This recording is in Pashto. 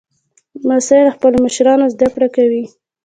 لمسی له خپلو مشرانو زدهکړه کوي.